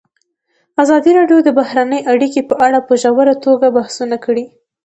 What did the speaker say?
ازادي راډیو د بهرنۍ اړیکې په اړه په ژوره توګه بحثونه کړي.